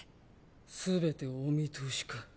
すべてお見通しか。